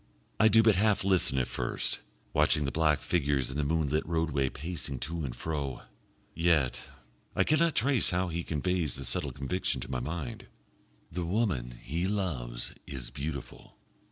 I do but half listen at first watching the black figures in the moonlit roadway pacing to and fro. Yet I cannot trace how he conveys the subtle conviction to my mind the woman he loves is beautiful.